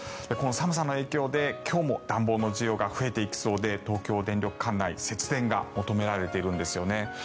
この寒さの影響で今日も暖房の需要が増えていくそうで東京電力管内節電が求められているんですよね。